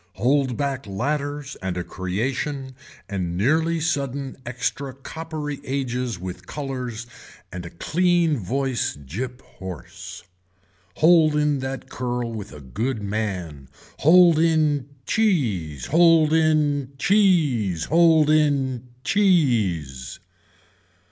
Hold back ladders and a creation and nearly sudden extra coppery ages with colors and a clean voice gyp hoarse. Hold in that curl with a good man. Hold in cheese. Hold in cheese. Hold in cheese.